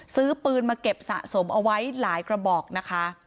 ซื้อปืนมาเก็บสะสมเอาไว้หลายกระบอกนะคะ